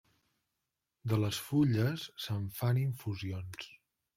De les fulles se'n fan infusions.